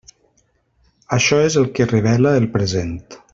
Això és el que revela el present.